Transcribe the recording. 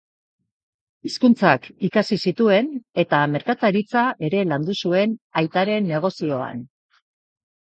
Hizkuntzak ikasi zituen eta merkataritza ere landu zuen aitaren negozioan.